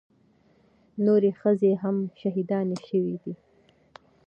نورې ښځې هم شهيدانې سوې دي.